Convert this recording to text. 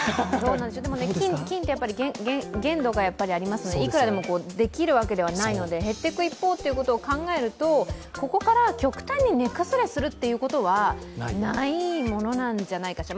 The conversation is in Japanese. でも、金って限度がありますのでいくらでもできるわけではないので減っていく一方ということを考えると、ここから極端に値崩れするということはないものなんじゃないかしら。